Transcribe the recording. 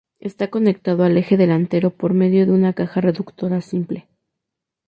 Está conectado al eje delantero por medio de una caja reductora simple.